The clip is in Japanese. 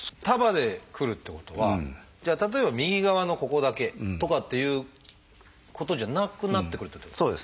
束でくるっていうことはじゃあ例えば右側のここだけとかっていうことじゃなくなってくるっていうこと？